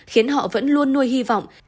khiến họ vẫn luôn nuôi hy vọng